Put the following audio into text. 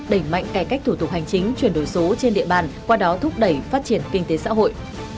đẩy mạnh cải cách thủ tục hành chính chuyển đổi số trên địa bàn qua đó thúc đẩy phát triển kinh tế xã hội